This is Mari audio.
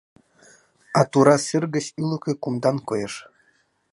А тура сер гыч ӱлыкӧ кумдан коеш.